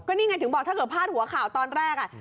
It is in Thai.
นี่ไงถึงบอกถ้าเกิดพาดหัวข่าวตอนแรก